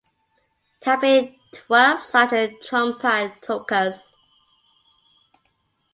There have been twelve such Trungpa tulkus.